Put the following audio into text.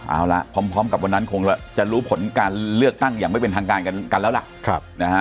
เอาล่ะพร้อมกับวันนั้นคงจะรู้ผลการเลือกตั้งอย่างไม่เป็นทางการกันแล้วล่ะ